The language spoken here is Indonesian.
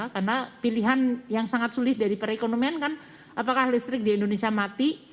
karena pilihan yang sangat sulit dari perekonomian kan apakah listrik di indonesia mati